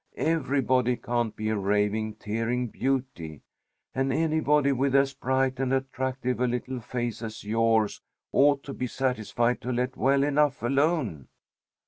"Everybody can't be a raving, tearing beauty, and anybody with as bright and attractive a little face as yours ought to be satisfied to let well enough alone."